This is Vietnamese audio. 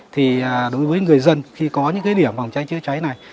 thì đối với người dân khi có những cái điểm phòng cháy chữa cháy này